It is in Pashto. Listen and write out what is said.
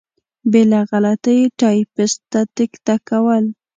بې له غلطۍ یې ټایپېسټ ته دیکته کول.